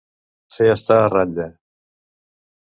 Fer estar a ratlla.